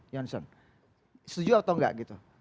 johnson setuju atau enggak